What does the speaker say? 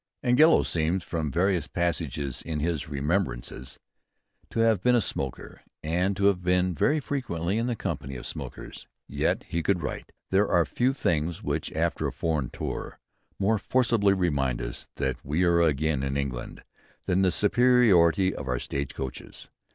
Angelo seems, from various passages in his "Reminiscences," to have been a smoker, and to have been very frequently in the company of smokers, yet he could write: "There are few things which, after a foreign tour, more forcibly remind us that we are again in England, than the superiority of our stage coaches.